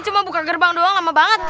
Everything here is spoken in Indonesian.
cuma buka gerbang doang lama banget